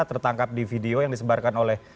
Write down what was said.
tertangkap di video yang disebarkan oleh